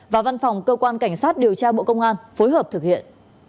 và văn phòng cơ quan cảnh sát điều tra bộ công an phối hợp thực hiện